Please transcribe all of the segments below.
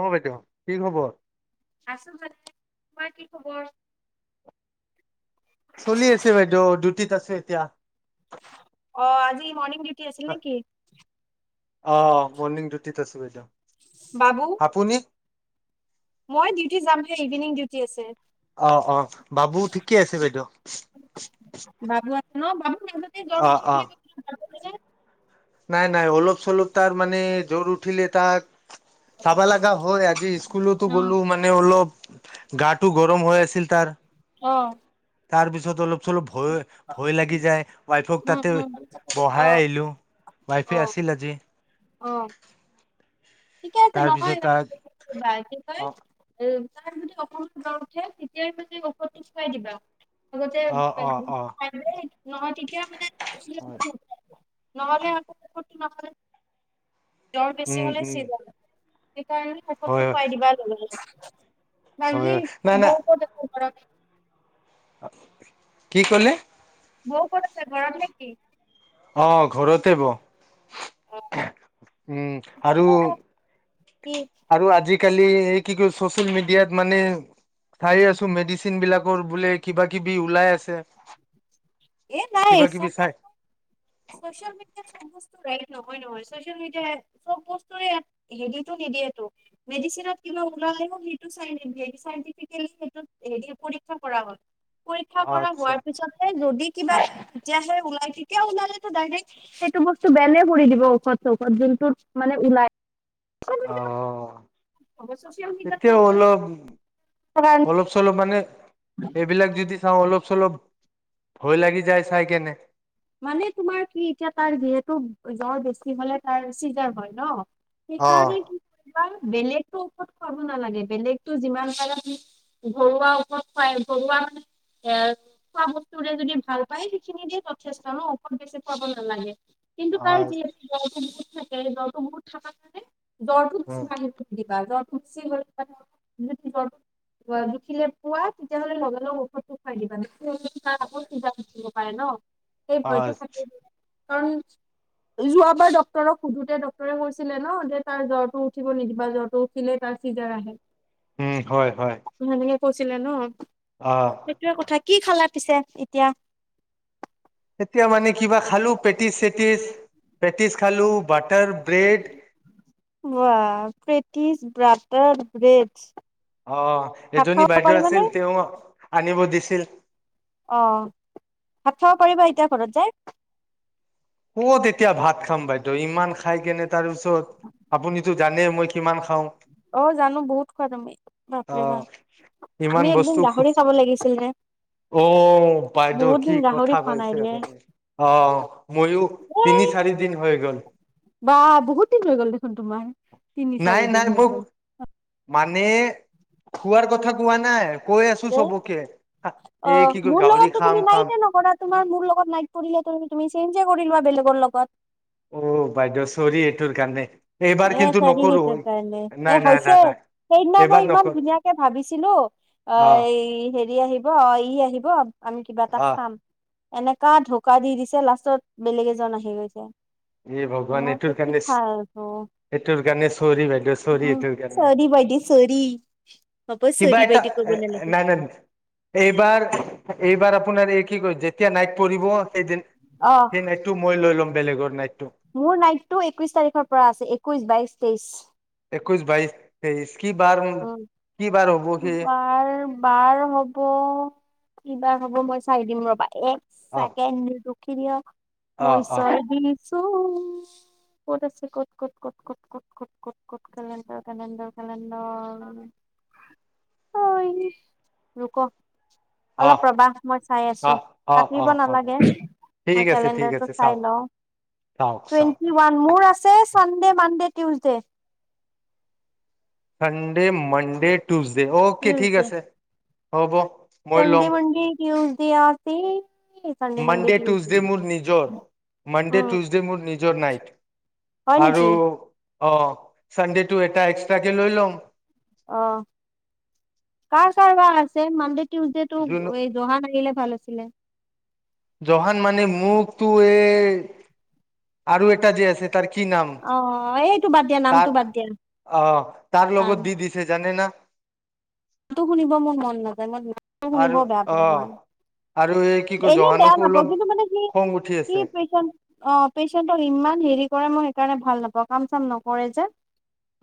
অ বাইদেউ কি খবৰ। আছো জানে তোমাৰ কি খবৰ চলি আছে বাইদেউ ডিউটিত আছো এতিয়া অ আজি মৰ্ণিং আছিল নেকি অ মৰ্নং ডিউটিতত আছো এতিয়া। বাবু মই ডিউটি যামহে ইভিনিং ডিউটি আছে আহ অ বাবু ঠিকেই আছে বাইদেউ বাবু আছে আহ আহ উ নাই নাই অলপ চলপ তাৰ মানে জ্বৰ উঠিলে তাক চাবা লগা হয় আজি স্কুলতো অ। গ'লো মানে অলপ গাটো গৰম হৈ আছে ফিল তাৰ অ তাৰ পিছত অলপ চলপ ভয় ভয় লাগি যায় ৱাইফক উম তাতে উম অ ব়াই আহিলোঁ ৱাইফে আছিল আজি। আহ ঠিকে আছে তাৰপিছত তাক নহয়া কি কয় অ উম তাৰ যদি অকণমান গাঁ উঠে তেতিয়াই মানে ঔষধটো খুৱাই দিবা আগতে অ অ অ খ নহয় তেতিয়া মানে নহলে আ ম জ্বৰ উম বেছি হলে উম চিজ সেইকাৰণে হয় ঔষধতটো খুৱাই দিবা লগে হয় হয় নাই নাই [unintelligible] ৰাখ কি কৰিলে। বৌ ক'ত আছে ঘৰত নেকি। অ ঘৰতে ব উম আৰু কি আৰু আজি আজিকালি এই কি চচিয়েল মিডিয়াত মানে চাই আছো মেডিচিন বিলাকৰ বোলে কিবা কিবি ওলাই আছে। এ নাই কিবা কিবি [unintelligible] চাই চচিয়েল মিডিয়াত [unintelligible] নহয় নহয় চচিয়েল মিডিয়াই, চব বস্তুৰে হেৰিটো নিদিয়েটো, মেডিচিনত কিবা ওলালেও সেইটো চাই নিদিয়ে সেইটো চাইনটিফিকেলী সেইটোত হেৰি পৰীক্ষা কৰা হল। পৰীক্ষা কৰা আচ্ছা হোৱাৰ পিছতহে যদি কিবা [unintelligible] ওলাই তেতিয়া ওলালেটো ডাইৰেক্ট সেইটো বস্তু বেনে কৰি দিব ঔষধ চৌষধ যোনটোত মানে ওলাই। অ'। চচিয়েল এতিয়া মিডিয়াটো অলপ অলপ চলপ মানে সেইবিলাক যদি চাওঁ অলপ চলপ ভয় লাগি যায় চাই কেনে মানে তোমাৰ কি এতিয়া তাৰ যিহেতু জ্বৰ বেছি হলে তাৰ চিজাৰ হয় ন? অ সেইকাৰনে কি [unintelligible] বেলেগটো ওষধ খুৱাব নালাগে। বেলেগটো যিমান পাৰে [unintelligible] ঘৰুৱা ঔষধ খুৱাই ঘৰুৱা মানে এ খোৱা বস্তুৰে যদি ভাল পায় সেইখিনি দিয়ে [unintelligible] ন' ঔষধ বেছি খুৱাব অ নালাগে। কিন্তু তাৰ [unintelligible] [unintelligible] জ্বৰটো বহুত [unintelligible] জ্বৰটো বেছি বাঢ়িব নিদিবা। জ্বৰ গুচি গল [unintelligible] জুখিলে পোৱা তেতিয়াহ'লে লগালগ ঔৰতটো খুৱাই দিবা। ‌ [unintelligible] উঠিব পাৰে ন। সেই ভয়টো থাকে [unintelligible] কাৰণ যোৱাবাৰ ডক্তৰক সোধোতে ডক্তৰে কৈছিলে ন' যে তাৰ জ্বৰটো উঠিব নিদিবা জ্বৰটো উঠিলে তাৰ চিজাৰ আহে। উম, হয় হয়। পচিলে ন'? অ সেইটোৱে কথা কি খালা পিছে এতিয়া? তেতিয়া মানে কিবা খালোঁ পেটিছ চটিছ, ‌ পেটিছ খালোঁ। ৱা! পেটিছ, ব্ৰাত টাৰ, ব্ৰেড। অ' ভাত এজনি খাব বাইদেউ পাৰিবানে আছিল তেওঁ আনিব দিছ ছিল। অ' ভাত খাবা পাৰিবা এতিয়া ঘৰত যাই? ক'ত এতিয়া ভাত খাম বাইদেউ ইমান খাই কেনে তাৰপিছত আপুনিতো জা নে মই কিমান খাওঁ। অ জানো বহুত খোৱা তুমি বাপৰে অহ, বাপ ইমান আমি একদিন বস্তু খুহ গাহৰি খাব লাগিছিল ৰে - ও বাইদেউ বহুত কি দিন গাহৰি কথা খোৱা নাই কৈছে ৰে আপুনি, অ'। ময়ো তিনি এই চাৰি দিন হয় গল বা বহুত দিন হৈ গ'ল দেখোন তোমাৰ। তিনি নাই চাৰি দিন নাই হৈ মোক গ'ল। মানে খোৱাৰ কথা কোৱা নাই, কৈ আছো চবকে অ এই কি কয় মোৰ গাহৰি লগতো খাম তুমি খাম নাইট নকৰা তোমাৰ মোৰ লগত নাইট পৰিলেুমুমি চেঞ্জ লোৱা বেলেগ লগত অ বাইদউ চৰি এটোৰ কাৰানে! এ চাৰ সেইতাৰ কাৰণে এ নাই নাই হৈছে নাই সেইদিনা এইবাৰ মই ইমান নকৰো ধুনীয়াকে ভাবিছিলো অ হেৰি আহিব ই আহিব আমি কিবা এটা অ', খাম। এনেকা ঢকা দি দিছে লাষ্টত বেলেগ এজন আহি গৈছে। এ ভগৱান মই এটোৰ কৈছো কি কেনেছ, ভাল এইটোৰ কাৰণে চৰি বাইদেউ চৰি উম এইটোৰ কাৰণে চৰি বাইদেউ চৰি হ'ব কিবা চৰি এটা বাইদেউ ক'ব নালাগে নাই নাই এইবাৰ এইবাৰ আপোনাৰ এই কি কয় যেতিয়া নাইট পৰিঢ়িব সেইদিন অ সেই নাই তটো মই লৈ ল'ম। বেলেগৰ নাই, মোৰ নাইটটো একৈশ তাৰিখৰ পৰা আছে একৈশ, বাইশ, তেইশ। একৈশ, বাইশ, তেইশ, কি বাৰ উম কি বাৰ! হ'ব সি বাৰ বাৰ হ'ব, কিবা হ'ব মই চাই দিম ৰবা এক অ', চেকেণ্ড কৰিয় অ', অ', মইচৰ দি চ ক'ত আছে ক'ত ক'ত ক'ত ক'ত ক'ত ক'ত ক'ত ক'ত কেলেণ্ডাৰ কেলেণ্ডাৰ কেলেণ্ডাৰ অক [unintelligible] অলপ অ', ৰবা মই চাই আছো অ', অ', কাটিব অ', হ'ব নালাগে মই ঠিক আছে ঠিক কেলেণ্ডাৰটো আছে চাই চাওক লওঁ। চাওক চাওক টুৱেণ্টি ওৱান মোৰ আছে ছে সংডে মডে টিউজডে চণ্ডে, মণ্ডে টুজডে অ'কে ঠিক আছে। হ'ব মই চানগুে, ল'ম মণ্ডে, কিয়! তিয়াছে মানডে টউচডে মোৰ নিজৰ মানডে উম টউজডে মোৰ নিজৰ জোৰ নাইট হয় আৰু নেকি অহ, চানডে টো এটা এক্সট্ৰাকে লৈ লম। অহ, কাৰ- কাৰ বা আছে মান্দে টিউজডেটো যোন ৱে জহান আহিলে ভাল আছ নে, জহান মানে মুকতো এ আৰু এটা যে আছে তাৰ কি নাম অ এইটো বাদ দিয়া নামটো তাক বাদ দিয়া অহ তাৰ লগত দি দিছে জানে না। মাটো শুনিব মোৰ মন নাযায় মই নামটো শুনিব আৰু বেয়া অ পাওঁ মই আৰু এই কি কয় এনে [unintelligible] জহানকো অলপ খং উঠি আছে সেইকাৰণে ভাল নাপাও কাম চাম নকৰে যে।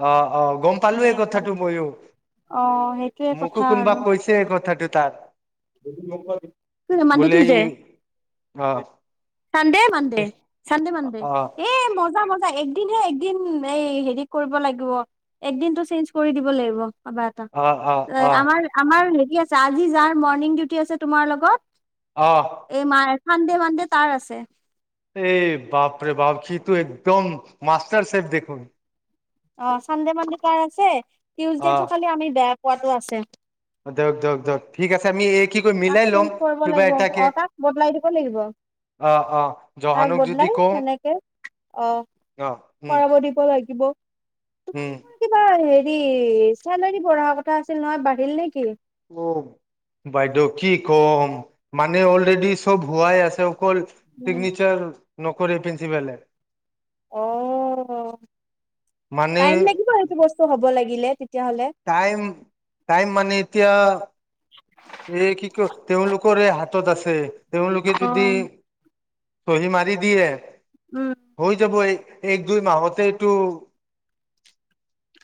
অহ - অহ গম পালো এই সেনেকুৱা কথাটো ময়ো। অ সেইটোয়ে মোকো কথা কোনবা আৰু কৈছে এই কথাটো তাক। [inaudible] [unintelligible] মানডে টো যে ই অ চানডে মানডে- চানডে মানডে অ এ মজা -মজা। এ একদিনহে একদিন এই হেৰি কৰিব লাগিব একদিনতটো চেঞ্জ কৰি দিব লাগিব। কাবা এটা অ অ অ আমাৰ - আমাৰ কি আছে আজি যাৰ মৰ্ণিং ডিউটি আছে তোমাৰ লগত। অহ চান্দে মান্দে তাৰ আছে। এই বাপৰে বাপ সি তো একদম মাষ্টাৰ চেফ দেখোন। অহ চান্দে মান্দে কাৰ আছে। টিয়ুজদেটো খালি আমি বে পোৱাতো আছে। অহ, দেয়ক- দেয়ক- দক ঠিক আছে আমি এই কি কৰিম তাক মিলাই কৈ ল'ম চাব কিবা লাগিব এটাকে অহ তাক বদলাই দিব লাগিব আহ আহ তাক জহানক যদি বদলাই কওঁ সেনেকে অহ আহ উম কৰাব দিব লাগিব। দিব। উম তোমালোকৰ কিবা এ হি চেলাৰী বঢ়া কথা আছিল নহয় বাঢ়িল নেকি? ঔম, বাইদেউ কি কম মানে অলৰেডি চব হোৱাই আছে অকল উম। চিগ্নিচাৰ নকৰে প্ৰিন্ঞ্চিপালে। অহ, মানে টাইম লাগিব সেটো বস্তু হ'ব লাগ লাগিলে। তেতিয়াহ'লে। টাইম -টাইম মানে এতিয়া এই কি কয় তেওঁলোকৰে হাতত আছে। তেওঁলোকে অ যদি চহি মাৰি দিয়ে উম। ৷ হৈ যাব এই এক দুই মাহতে এটো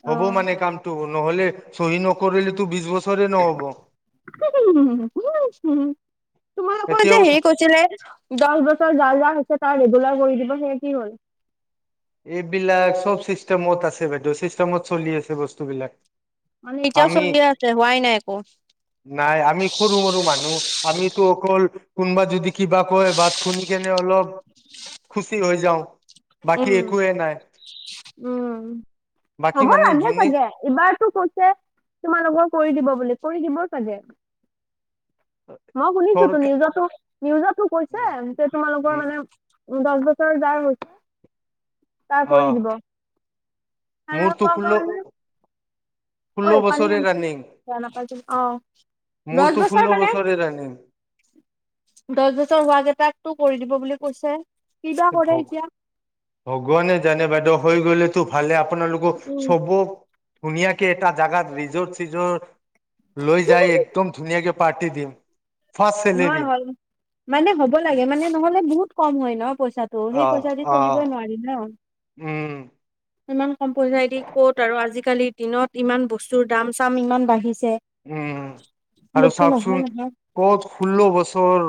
অ হ'ব মানে কামটো নহ'লে চহী নকৰিলে তো বিশ বছৰ চৰি নহব [unintelligible] উ হম হম হম [unintelligible] তোমালোকৰ যে এতিয়াও হেৰি কৈছিলে দহ বছৰ যা যা হৈছে তাত বোলা কৰি দিব সেয়া কি হ'ল ৷ এইবিলাক চব চিষ্টেমত আছে বাইদেউ চিষ্টেমত চলি আছে বস্তুবিলাক মানে ৷ এতিয়াও আমি, চলিয়ে আছে হোৱাই নাই একো। নাই আমি সৰু মৰু মানুহ আমিতো অকল কোনোবা যদি কিবা কয় বাছ খুনি কেনে অলপ খুচি হৈ যাওঁ ৷ উম-উম বাকী হব মানে লাগে যোনে চাগে এইবাৰতো কৈছে তোমালোকৰ কৰি দিব বুলি কৰি দিব মাজে [unintelligible] মই শুনিছো ত চৰকাৰ নিউজো-নিউজো কৈছে যে তোমালোকৰ উম মানে দহ বছৰ যাৰ হৈছে তা অ কৰি দিব ৷ মোৰতো খুলল ঐ পানী আনচোন বেয়া নাপাঅ অ দহ মোৰতো বছৰ ষোল্ল মানে বছৰে ৰানিং দছ বছৰ হোৱা কেইটাক টো কৰি দিব বুলি কৈছে৷ কিবা কৰে ভগ এতিয়া ভগৱানে জানে বাইদ হৈ গ'লে টোফালে আপোনালোকক উম, চবক ধুনীয়াকে এটা জাগাত ৰিজৰ্ট চিজট লৈ যায় একদম ধুনীয়াকে পাৰ্তি দিম ৷ নহ হ মানে হ'ব লাগে মানে নহ'লে বহুত কম হয় ন পইচাটো সেই আহ পইচা দি আহ চলিবই নোৱাৰি ন ৷ উম ইমান কম পইচাই দি ক'ত আৰু আজিকালিৰ দিনত ইমান বস্তুৰ দাম চাম ইমান বাঢ়িছ উম আৰু নহয় চাওকচোন নহয় ক'ত ষোল্ল বছৰ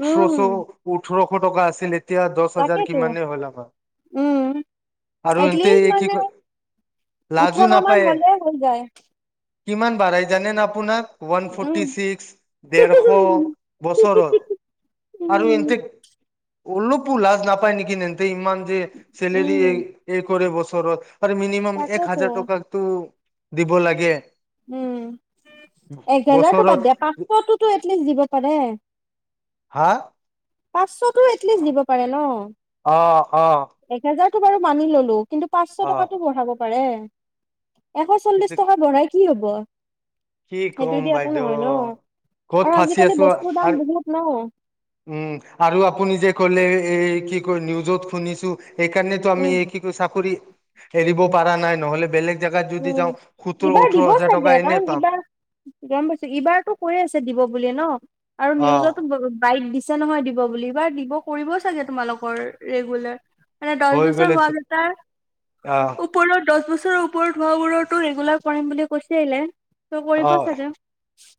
উঠছ উম উঠ ষোৰশ টকা আছিলে তাকেতো উম আৰু এন্তে এটলিষ্ট কি মানে কয় লাজো ওঠৰ নাপায় মান হলে হৈ যায় কিমান বাঢ়াই জাননে না আপোন উৱান উম ফোৰ্টচিক ডেৰশ বছৰ আৰু উম এনতেবছৰত আৰু এতে ওলো পো লাজ নাপায় নেকি ন ইমান মান যে চছেলেৰ উম এই কৰে ব ওপৰত মিনিমম এক তাকেতো হাজাৰ টকা টো দিব লাগে উম এক হেজাৰতো বছৰত বাদ দিয়া পাঁচশতো এটলিষ্ট দিব পাৰে হা পাঁচশতটো এটলিষ্ট দিব পাৰে ন অ অ একহেজাৰ তো বাৰু মানি ললো কিন্তু পাঁচশ অ টকাতো বঢ়াব পাৰে এশ চল্লিশ কিন্তু টকা বঢাৰাই কি হ'ব কি সেইটো কম দি একো বাইদেউ নহয় ন ক'ত আৰু ফাচি আজিকালি আছো বস্তুৰ দাম আৰু বহুত ন উম আৰু আপুনি যে কলে এই কি কয় নিউজত শুনিছোঁ সেইকাৰণেতো আমি উম কি চাকৰি এৰিব পৰা নাই নহলে বেলেগ জেগাত যদি উম যাওঁ সোতৰ ইবাৰ অঠৰ দিব হাজাৰ চাগে টকা এনে কাৰণ পাম ইবাৰ গম পাইছো এইবাৰতটো কৈ আছে দিব বুলিয়ে ন আৰু অ নিউজতো বাইক দিছে কৈছে নহয় দিব বুলি এইবাৰ দিব কৰিব চাগে তোমালোকৰ ৰেগুলাৰ মানে দহ হৈ বছৰ গ'লে হোৱাটাৰ অ উপৰিও দহ বছৰ [unintelligible] ওপৰত হোৱাবোৰ ৰেগুলাৰ কৰিম বুলি কৈছে আহে অ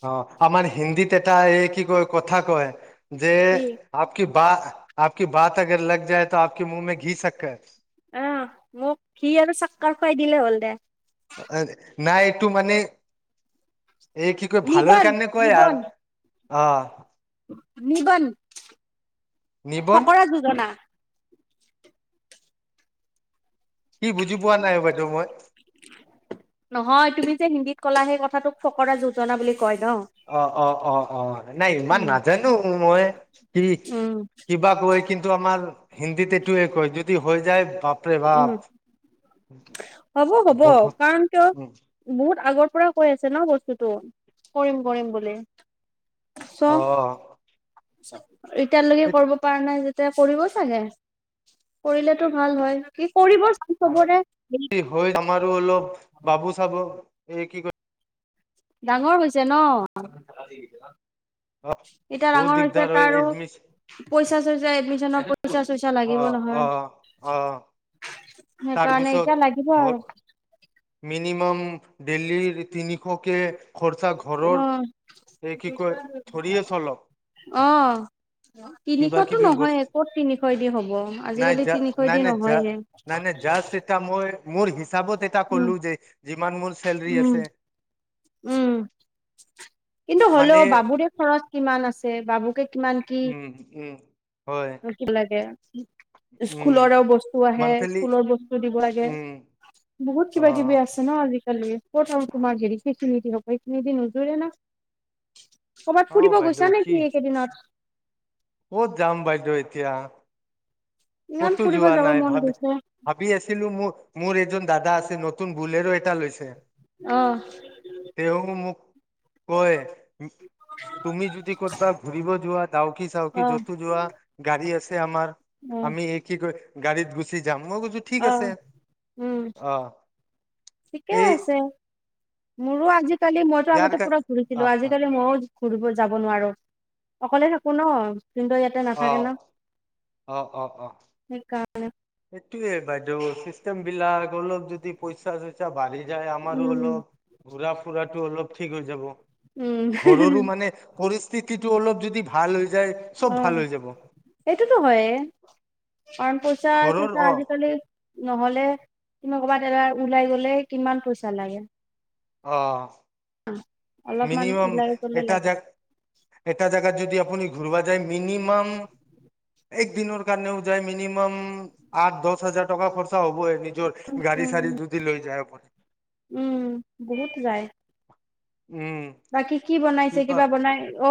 অ আমাৰ হিন্দীতে এটা এই কি কয় কথা কয় যে কি আপকে বা আপক কি বাত আগৰ লাগ যায়টো আপক মুহে ঘি চকে কিনো বল দে নাই এইটো মানে এই কি ক ভালৰ নিবন কাৰণে কয় নিবন আৰু অ নিবন নিবন ফকৰা যোজনা কি বুজি পোৱা নাই বাইদেউ মই নহয় তুমি যে হিন্দীত কলা সেই কথাটোক ফকৰা যোজনা বুলি কয় ন অ অ অ অ নাই ইমান উম নাজানো মই কি উম কিবা কৈ কিন্তু আমাৰ হিন্দীত এইটোৱে কয় যদি হৈ যায় বাপৰে উম বাপ হব হব বহুত কাৰণ কিয় উম, বহুত আগত পুৰা কৈ আছে ন বস্তুতটো কৰিম কৰিম বুলি অ এতিয়াৰলৈকে কৰিব পৰা নাই যেতিয়া কৰিব চাগে কৰিলেতো ভাল হয় কি কৰিব চাম চবৰে হৈ আমাৰো হল বাবু চাবু এই কি কয় ডাঙৰ হৈছে ন কয় এতিয়া বহুত ডাঙৰ হৈছে দিগদাৰ হয় তাৰো এডমিচ পইচা চইচা এডমিচনৰ পইচা চইচা অ লাগিব অ নহয় অ সেইকাৰণে তাৰপিছত এইতিয়া লাগিব ঘৰ আৰু মিনিমাম দিল্লীৰ তিনিশকে খৰচা ঘৰৰ এই কি কয় ধৰিয়ে চলক আহ আহ কিবা তিনিশতো কিবি নহয় বস্তু ক'ত তিনিশ দি হ'ব নাই আজিকালি যা তিনিশ নাই দি নাই যা নহয়হে নাই নাই জাষ্ট এটা মই মোৰ হিচাপত এটা উ কলো যে যিমান মোৰ চেলৰি উম আছে উম কিন্তু মানে হলেও বাবুৰে খৰচ কিমান আছে বাবুকে উম উম হয় হব লাগে উম স্কুলৰ আৰুও বস্তু আহে মান্থলি স্কুলৰ বস্তু দিব লাগে উম বহুত অ কিবা কিবি আছে ন আজিকালি ক'ত আৰু তোমাক হেৰি দি দি হ'ব এইতিনিদি নোজুৰে ন ক'ৰবাত অ ফুৰিব বাইদেউ গৈছা কি নেকি এইকেইদিনত ক'ত যাম বাইদেউ এতিয়া ইমান কতো ফুৰিব যোৱা যাব নাই মন ভাবি গৈছে ভাবি আছিলো মোৰ মোৰ এজন দাদা আছে নতুন বুলৰো এটা লৈছে অ তেওঁ মোক কয় তুমি যদি ক'বা ঘুৰিব যোৱা ডাউকি চাউকি অ যতো যোৱা গাড়ী আছে তে আমাৰ অ আমি একে গ গা়ডীত গুচি জাম কছো ঠিক অ আছে উম অ ঠিকে এই আছে মোৰো আজি আজি কালি মইতো ইয়াৰ আগতে কাৰ পুৰা অ ঘূৰিছিলো অ আজিকালি মই ঘুৰিব যাব নোৱাৰো অকলে থাকো ন কিন্তু ইয়াতে অ নাথাকে ন সেইকাৰণ অ এইটোৱেই বাইদেউ চিষ্টেম বিলাক অলপ যদি পইচা চইচা বাহি যায় আমাৰো উম অলপ ঘূৰা ফুৰা টো অলপ ঠিক হৈ যাব উম ঘৰৰো মানে পৰিস্থিতিটো অলপ যদি ভাল হয় আহ এইটোতো হয় কাৰ প‌ইচা ঘৰৰ চ‌ইচা অ আজিকালি নহলে তুমি ক'ৰবাত এবাৰ ওলাই গলে কিমান পইচা লাগে অ উ মিনিমাম এটা জেগাত এটা জেগাত যদি আপোনি ঘূৰিব যায় মিনিমাম এক দিনৰ কাৰণেও যায় মিনিমাম আঠ দহ হাজাৰ টকা খৰচা হ'ব গাড়ী উম চাাৰী যদি লৈ যায় [unintelligible] উম বহুত যায় উম বাকী কি বনাইছে কিবা বনাই অ